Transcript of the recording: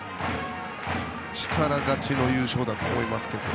力勝ちの優勝だと思います。